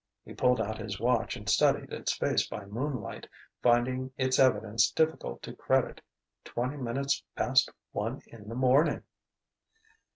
He pulled out his watch and studied its face by moonlight, finding its evidence difficult to credit: twenty minutes past one in the morning!